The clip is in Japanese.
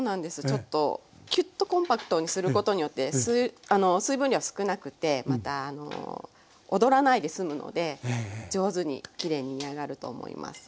ちょっとキュッとコンパクトにすることによって水分量が少なくてまたおどらないですむので上手にきれいに煮上がると思います。